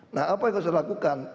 nah apa yang harus dilakukan